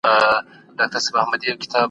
مشاورین به خلګو ته ازادي ورکړي.